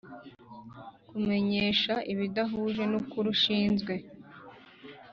kumenyesha ibidahuje n ukuri ushinzwe